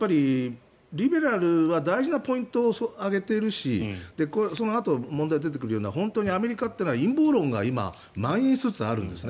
リベラルは大事なポイントを挙げているしそのあと問題に出てくるような本当にアメリカは陰謀論が今、まん延しつつあるんです。